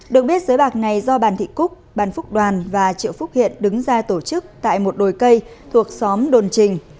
được biết giới bạc này do bàn thị cúc bàn phúc đoàn và triệu phúc hiện đứng ra tổ chức tại một đồi cây thuộc xóm đồn trình